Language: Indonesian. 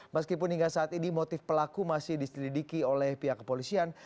meskipun hingga saat ini motif pelaku masih diselidiki oleh pihak kepolisian